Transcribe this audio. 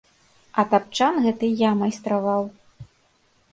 А тапчан гэты я майстраваў.